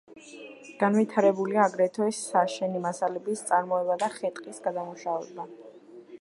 განვითარებულია აგრეთვე საშენი მასალების წარმოება და ხე-ტყის გადამუშავება.